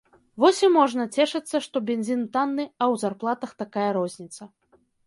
Вось і можна цешыцца, што бензін танны, а ў зарплатах такая розніца.